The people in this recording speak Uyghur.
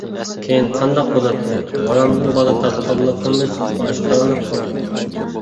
-كىيىن قانداق بولاتتى، ھارامدىن بالا تاپقانلىقىمىز ئاشكارىلىنىپ قالدى.